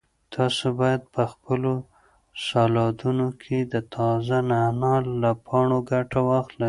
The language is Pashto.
تاسو باید په خپلو سالاډونو کې د تازه نعناع له پاڼو ګټه واخلئ.